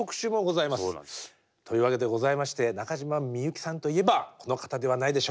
というわけでございまして中島みゆきさんといえばこの方ではないでしょうか。